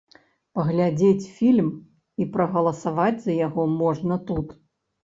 Паглядзець фільм і прагаласаваць за яго можна тут.